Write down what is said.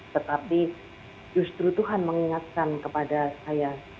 tetapi justru tuhan mengingatkan kepada saya